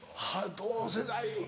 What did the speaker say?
同世代。